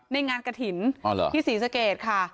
ในงานกระถิ่นที่ศรีสเกตค่ะ